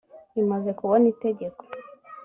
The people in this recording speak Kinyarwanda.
imaze kubona itegeko